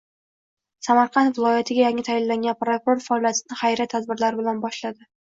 Samarqand viloyatiga yangi tayinlangan prokuror faoliyatini xayriya tadbirlari bilan boshladi